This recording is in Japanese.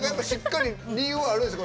理由もあるんですね。